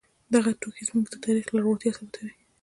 دغه توکي زموږ د تاریخ لرغونتیا ثابتوي.